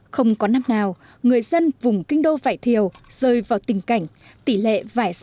không có năm nào người dân vùng kinh đô vải thiều rơi vào tình cảnh tỷ lệ vải